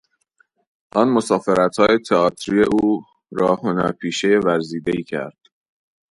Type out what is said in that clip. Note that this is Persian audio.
آن مسافرتهای تئاتری او را هنرپیشهی ورزیدهای کرد.